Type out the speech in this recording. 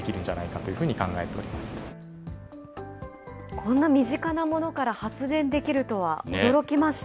こんな身近なものから発電できるとは、驚きました。